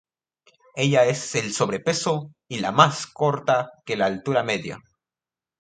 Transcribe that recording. Ella es el sobrepeso y la más corta que la altura media.